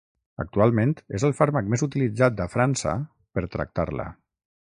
Actualment, és el fàrmac més utilitzat a França per tractar-la.